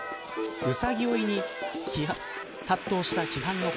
うさぎ追いに殺到した批判の声。